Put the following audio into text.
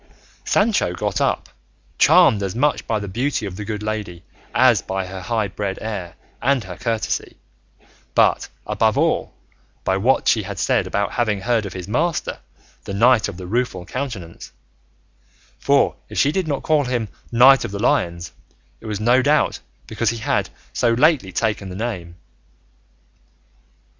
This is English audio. Sancho got up, charmed as much by the beauty of the good lady as by her high bred air and her courtesy, but, above all, by what she had said about having heard of his master, the Knight of the Rueful Countenance; for if she did not call him Knight of the Lions it was no doubt because he had so lately taken the name.